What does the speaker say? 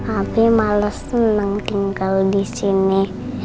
abi malah seneng tinggal disini